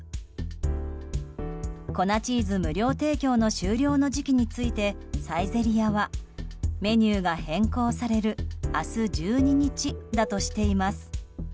粉チーズ無料提供の終了の時期についてサイゼリヤはメニューが変更される明日１２日だとしています。